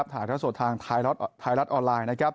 ถ่ายท่อสดทางไทรัตออนไลน์